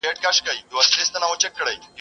څو مېږیانو پکښي وکړل تقریرونه.